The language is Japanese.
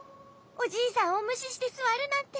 おじいさんをむししてすわるなんて。